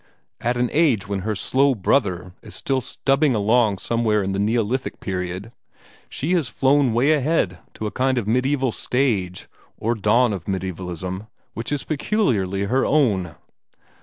At an age when her slow brother is still stubbing along somewhere in the neolithic period, she has flown way ahead to a kind of mediaeval stage, or dawn of mediaevalism, which is peculiarly her own.